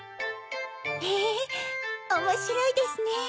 へぇおもしろいですね。